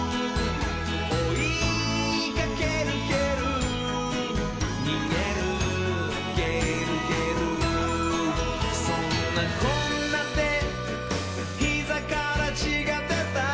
「おいかけるけるにげるげるげる」「そんなこんなでひざからちがでた」